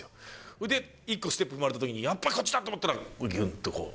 それで１個、ステップ踏まれたときに、やっぱこっちだと思ったら、ぎゅっとこう。